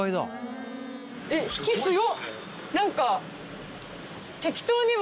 何か。